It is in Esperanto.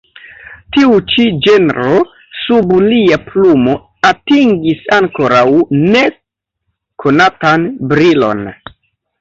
Tiu ĉi ĝenro sub lia plumo atingis ankoraŭ ne konatan brilon.